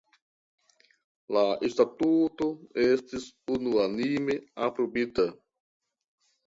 La statuto estis unuanime aprobita.